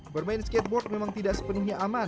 bermain skateboard memang tidak sepenuhnya aman